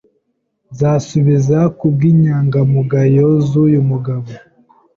Nzasubiza kubwinyangamugayo zuyu mugabo.